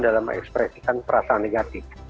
dalam mengekspresikan perasaan negatif